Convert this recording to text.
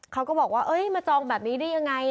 เขาก็บอกว่ามาจองแบบนี้ได้ยังไง